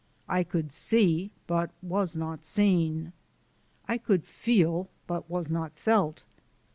I could see, but was not seen. I could feel, but was not felt.